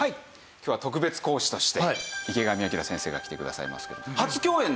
今日は特別講師として池上彰先生が来てくださいますけど。